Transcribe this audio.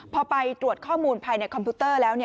พอไปตรวจข้อมูลภายในคอมพิวเตอร์แล้ว